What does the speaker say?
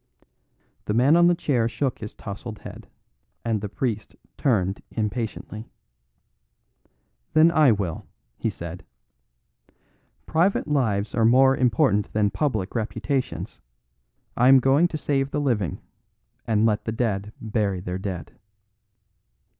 The man on the chair shook his tousled head, and the priest turned impatiently. "Then I will," he said. "Private lives are more important than public reputations. I am going to save the living, and let the dead bury their dead."